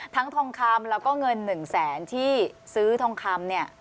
ทั้งทองคำแล้วก็เงินหนึ่งแ๔๖ที่ซื้อทองคำเนี่ย